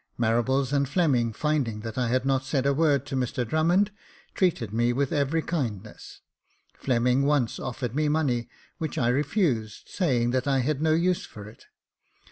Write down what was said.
Marables and Fleming, finding that I had not said a word to Mr Drummond, treated me with every kindness. Fleming once offered me money, which I refused, saying that I had no use for it.